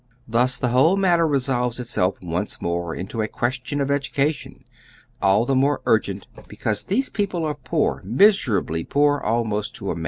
Thus the whole matter resolves itself once more into a question of education, all the more urgent because these people are poor, miserably poor almost to a man.